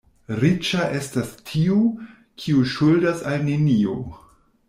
Riĉa estas tiu, kiu ŝuldas al neniu.